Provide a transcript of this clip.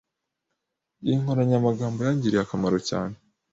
Iyi nkoranyamagambo yangiriye akamaro cyane.